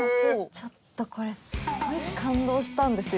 ちょっとこれすごい感動したんですよ。